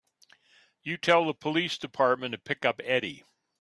You tell the police department to pick up Eddie.